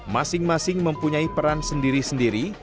masing masing mempunyai peran sendiri sendiri